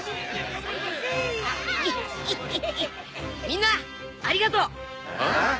みんなありがとう。はっ？